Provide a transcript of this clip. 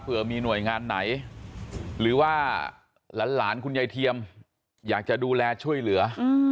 เพื่อมีหน่วยงานไหนหรือว่าหลานคุณยายเทียมอยากจะดูแลช่วยเหลือ